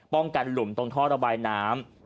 กันหลุมตรงท่อระบายน้ำ